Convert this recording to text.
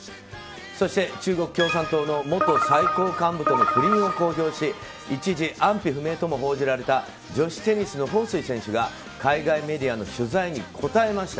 そして中国共産党の元最高幹部との不倫を公表し一時安否不明とも報じられた女子テニスのホウ・スイ選手が海外メディアの取材に答えました。